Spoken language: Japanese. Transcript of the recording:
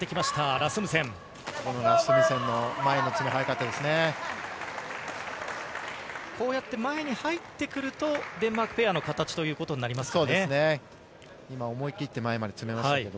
ラスムセンの前のつめ、こうやって前に入ってくると、デンマークペアの形ということになりますか？